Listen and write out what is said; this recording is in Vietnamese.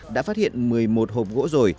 đã phát hiện một mươi một hộp gỗ rổi